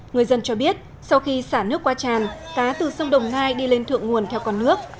người dân cho biết sau khi xả nước qua tràn cá từ sông đồng nai đi lên thượng nguồn theo con nước